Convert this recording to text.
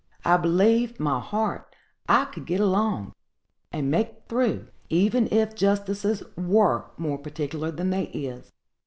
I b'lieve, my heart, I could get along, and make through, even if justices were more particular than they is.